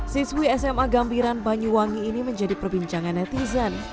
siswi sma gambiran banyuwangi ini menjadi perbincangan netizen